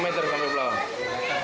satu meter sampai berapa